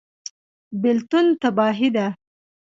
بیلتون تباهي ده